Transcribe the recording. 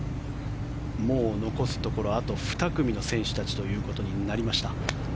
もう残すところ、あと２組の選手たちとなりました。